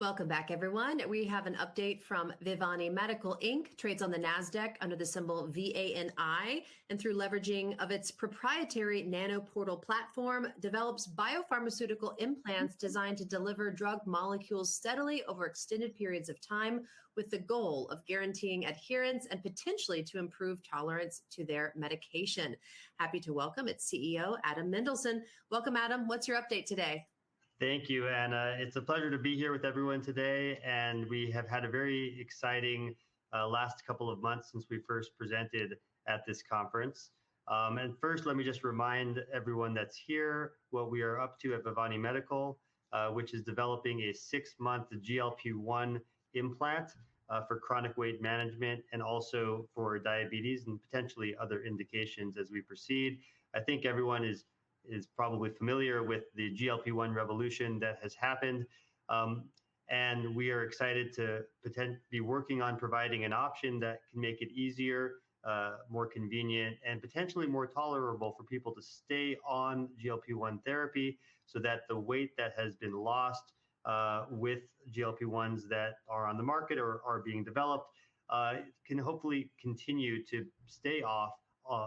Welcome back, everyone. We have an update from Vivani Medical Inc., trades on the Nasdaq under the symbol VANI, and through leveraging its proprietary NanoPortal platform, develops biopharmaceutical implants designed to deliver drug molecules steadily over extended periods of time, with the goal of guaranteeing adherence and potentially to improve tolerance to their medication. Happy to welcome its CEO, Adam Mendelsohn. Welcome, Adam. What's your update today? Thank you, Anna. It's a pleasure to be here with everyone today, and we have had a very exciting last couple of months since we first presented at this conference. And first, let me just remind everyone that's here what we are up to at Vivani Medical, which is developing a six-month GLP-1 implant for chronic weight management and also for diabetes and potentially other indications as we proceed. I think everyone is probably familiar with the GLP-1 revolution that has happened, and we are excited to be working on providing an option that can make it easier, more convenient, and potentially more tolerable for people to stay on GLP-1 therapy so that the weight that has been lost with GLP-1s that are on the market or are being developed can hopefully continue to stay off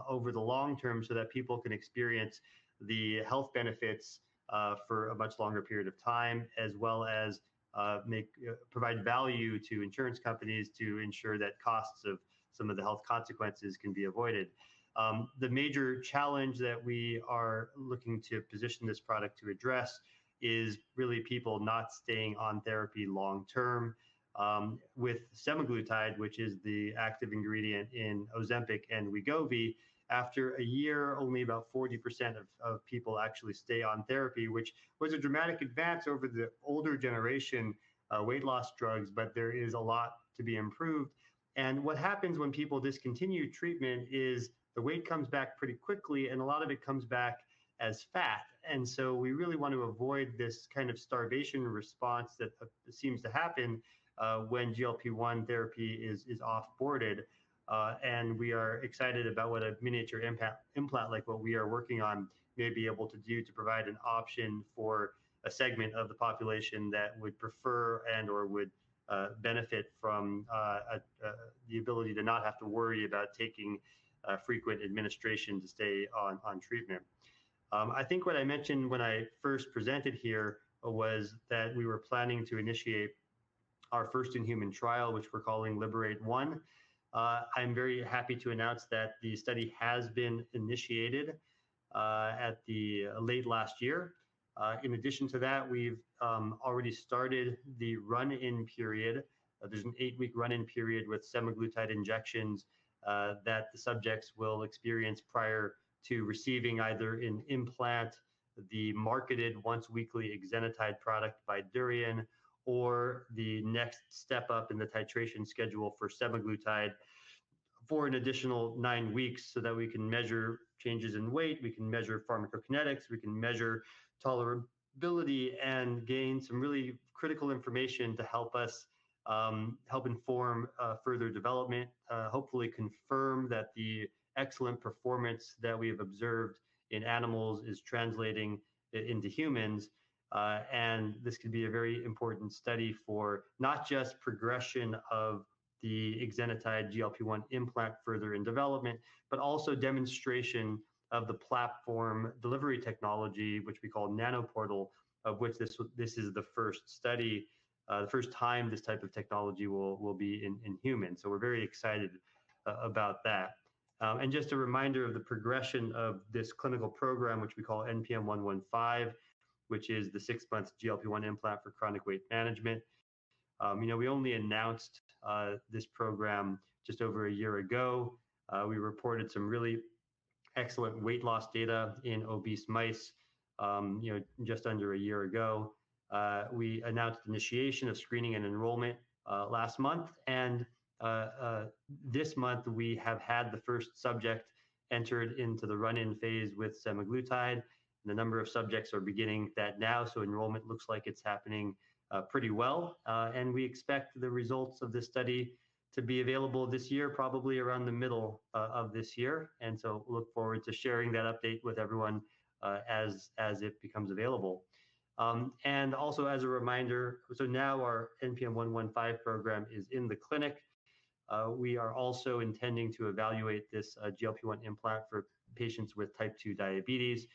over the long term so that people can experience the health benefits for a much longer period of time, as well as provide value to insurance companies to ensure that costs of some of the health consequences can be avoided. The major challenge that we are looking to position this product to address is really people not staying on therapy long term. With semaglutide, which is the active ingredient in Ozempic and Wegovy, after a year, only about 40% of people actually stay on therapy, which was a dramatic advance over the older generation weight loss drugs, but there is a lot to be improved. And what happens when people discontinue treatment is the weight comes back pretty quickly, and a lot of it comes back as fat. And so we really want to avoid this kind of starvation response that seems to happen when GLP-1 therapy is off-boarded. And we are excited about what a miniature implant like what we are working on may be able to do to provide an option for a segment of the population that would prefer and/or would benefit from the ability to not have to worry about taking frequent administration to stay on treatment. I think what I mentioned when I first presented here was that we were planning to initiate our first-in-human trial, which we're calling LIBERATE-1. I'm very happy to announce that the study has been initiated late last year. In addition to that, we've already started the run-in period. There's an eight-week run-in period with semaglutide injections that the subjects will experience prior to receiving either an implant, the marketed once-weekly exenatide product, Bydureon, or the next step up in the titration schedule for semaglutide for an additional nine weeks so that we can measure changes in weight, we can measure pharmacokinetics, we can measure tolerability, and gain some really critical information to help us help inform further development, hopefully confirm that the excellent performance that we have observed in animals is translating into humans. This could be a very important study for not just progression of the exenatide GLP-1 implant further in development, but also demonstration of the platform delivery technology, which we call NanoPortal, of which this is the first study, the first time this type of technology will be in humans. So we're very excited about that. And just a reminder of the progression of this clinical program, which we call NPM-115, which is the six-month GLP-1 implant for chronic weight management. We only announced this program just over a year ago. We reported some really excellent weight loss data in obese mice just under a year ago. We announced initiation of screening and enrollment last month, and this month we have had the first subject entered into the run-in phase with semaglutide. The number of subjects are beginning that now, so enrollment looks like it's happening pretty well. We expect the results of this study to be available this year, probably around the middle of this year. So look forward to sharing that update with everyone as it becomes available. Also as a reminder, so now our NPM-115 program is in the clinic. We are also intending to evaluate this GLP-1 implant for patients with Type 2 diabetes.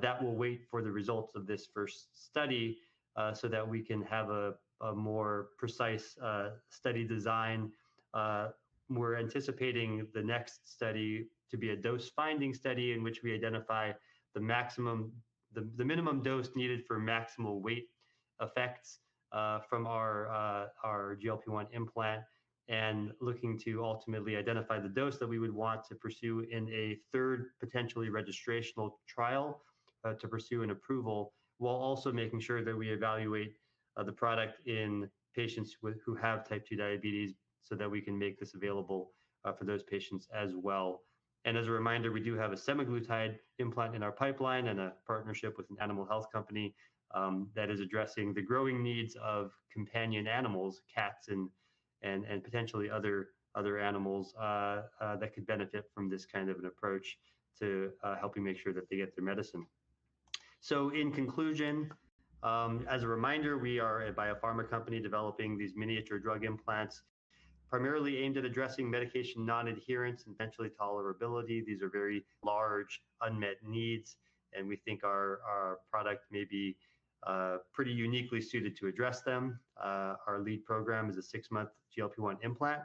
That will wait for the results of this first study so that we can have a more precise study design. We're anticipating the next study to be a dose-finding study in which we identify the minimum dose needed for maximal weight effects from our GLP-1 implant and looking to ultimately identify the dose that we would want to pursue in a third potentially registrational trial to pursue an approval, while also making sure that we evaluate the product in patients who have Type 2 diabetes so that we can make this available for those patients as well, and as a reminder, we do have a semaglutide implant in our pipeline and a partnership with an animal health company that is addressing the growing needs of companion animals, cats and potentially other animals that could benefit from this kind of an approach to helping make sure that they get their medicine. So in conclusion, as a reminder, we are a biopharma company developing these miniature drug implants primarily aimed at addressing medication non-adherence and potentially tolerability. These are very large, unmet needs, and we think our product may be pretty uniquely suited to address them. Our lead program is a six-month GLP-1 implant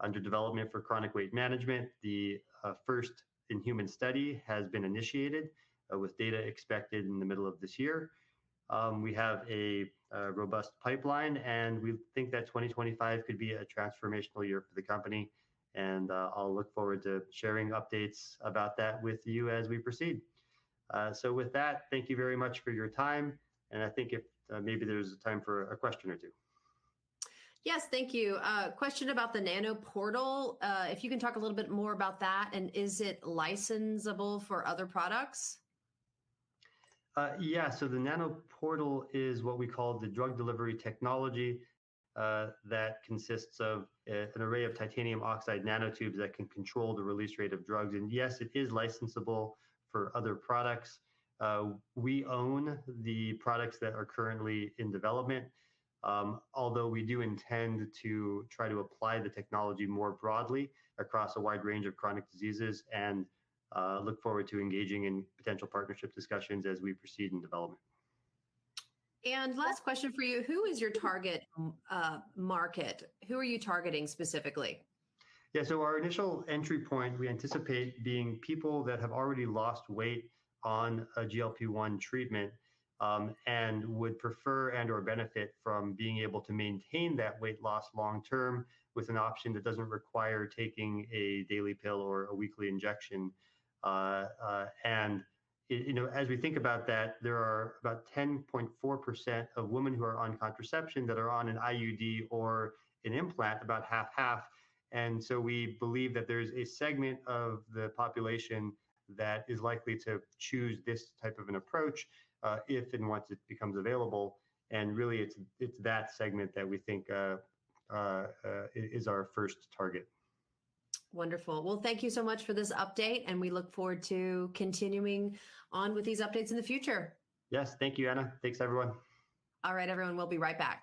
under development for chronic weight management. The first-in-human study has been initiated with data expected in the middle of this year. We have a robust pipeline, and we think that 2025 could be a transformational year for the company. And I'll look forward to sharing updates about that with you as we proceed. So with that, thank you very much for your time. And I think if maybe there's time for a question or two. Yes, thank you. Question about the NanoPortal. If you can talk a little bit more about that, and is it licensable for other products? Yeah, so the NanoPortal is what we call the drug delivery technology that consists of an array of titanium oxide nanotubes that can control the release rate of drugs, and yes, it is licensable for other products. We own the products that are currently in development, although we do intend to try to apply the technology more broadly across a wide range of chronic diseases and look forward to engaging in potential partnership discussions as we proceed in development. Last question for you. Who is your target market? Who are you targeting specifically? Yeah. So our initial entry point we anticipate being people that have already lost weight on a GLP-1 treatment and would prefer and/or benefit from being able to maintain that weight loss long term with an option that doesn't require taking a daily pill or a weekly injection. And as we think about that, there are about 10.4% of women who are on contraception that are on an IUD or an implant, about half-half. And so we believe that there is a segment of the population that is likely to choose this type of an approach if and once it becomes available. And really, it's that segment that we think is our first target. Wonderful. Well, thank you so much for this update, and we look forward to continuing on with these updates in the future. Yes. Thank you, Anna. Thanks, everyone. All right, everyone. We'll be right back.